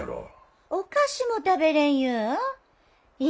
お菓子も食べれん言うん？